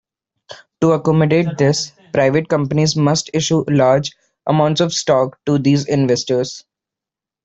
To accommodate this, private companies must issue large amounts of stock to these investors.